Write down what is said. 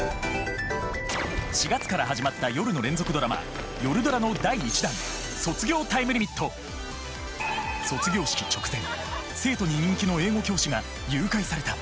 ４月から始まった夜の連続ドラマ「夜ドラ」の第１弾卒業式直前生徒に人気の英語教師が誘拐された。